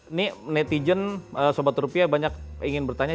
ini netizen sobat rupiah banyak ingin bertanya